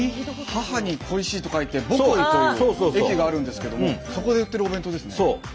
「母」に「恋しい」と書いて「母恋」という駅があるんですけどもそこで売ってるお弁当ですね。